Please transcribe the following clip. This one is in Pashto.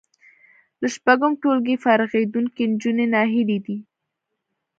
له شپږم ټولګي فارغېدونکې نجونې ناهیلې دي